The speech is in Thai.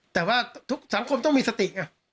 แต่ว่าทุกสังคมต้องมีสติไง